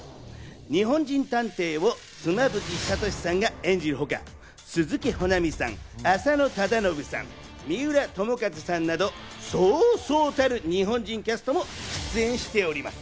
日本人探偵を妻夫木聡さんが演じるほか、鈴木保奈美さん、浅野忠信さん、三浦友和さんなど、そうそうたる日本人キャストも出演しております。